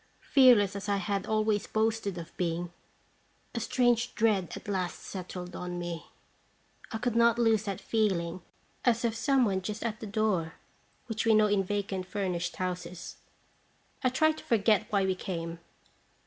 Fearless as I had always boasted of being, a strange dread at last settled on me. I could not lose that feel ing as of some one just at the door, which we know in vacant furnished houses. I tried to forget why we came.